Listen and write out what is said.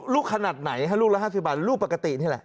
ขนาดไหนลูกละ๕๐บาทลูกปกตินี่แหละ